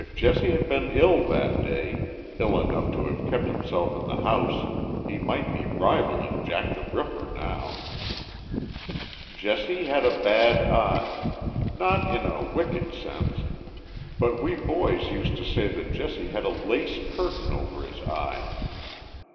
If Jesse had been ill that day — ill enough to have kept himself in the house — he might be rivaling Jack the Ripper now. 85 TIIE LIFE OF JESSE HARDIXG POMEROY. Jesse had a bad eye. Not in a wicked sense, but we boys used to say that Jesse had a lace curtain over his eye.